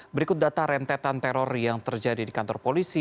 berikut data rentetan teror yang terjadi di kantor polisi